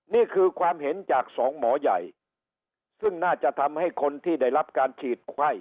นี่คือความเห็นจากสองหมอใหญ่ซึ่งน่าจะทำให้คนที่ได้รับการฉีดไข้